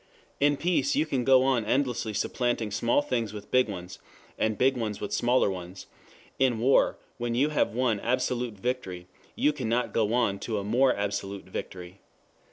In peace you can go on endlessly supplanting small things with big ones, and big ones with bigger ones; in war when you have won absolute victory, you cannot go on to a more absolute victory.